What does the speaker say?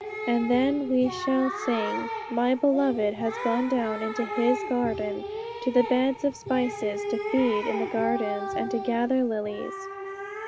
And then we shall sing, 'My beloved has gone down into His garden, to the beds of spices, to feed in the gardens and to gather lilies.'